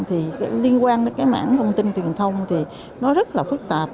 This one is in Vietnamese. thì liên quan đến cái mảng thông tin truyền thông thì nó rất là phức tạp